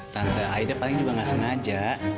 tante aida paling juga gak sengaja